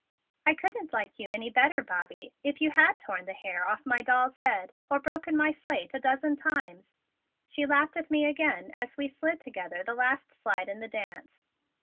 "I couldn't like you any better, Bobby, if you had torn the hair off of my doll's head or broken my slate a dozen times," she laughed at me again as we slid together the last slide in the dance.